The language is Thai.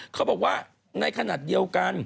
เขาบอกว่าในขณะเดียวกัน